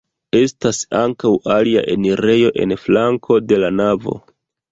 Estas ankaŭ alia enirejo en flanko de la navo.